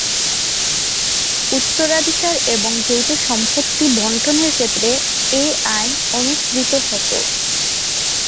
উত্তরাধিকার এবং যৌথ-সম্পত্তি বণ্টনের ক্ষেত্রে এ আইন অনুসৃত হতো।